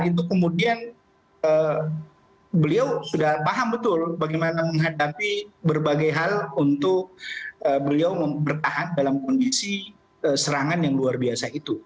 itu kemudian beliau sudah paham betul bagaimana menghadapi berbagai hal untuk beliau bertahan dalam kondisi serangan yang luar biasa itu